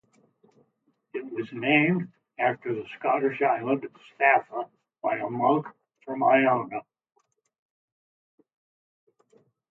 It was named after the Scottish island of Staffa by a monk from Iona.